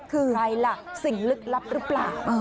คือใครล่ะสิ่งลึกลับหรือเปล่า